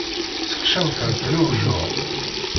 Sexcawten-t lewjuɛ.